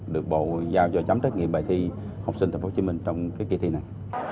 được bộ giao cho chấm trách nghiệm bài thi học sinh tp hcm trong kỳ thi này